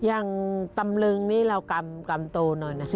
อย่างตำลึงนี่เรากำโตหน่อยนะคะ